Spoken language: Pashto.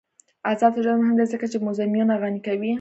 آزاد تجارت مهم دی ځکه چې موزیمونه غني کوي.